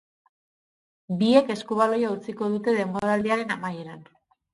Biek eskubaloia utziko dute denboraldiaren amaieran.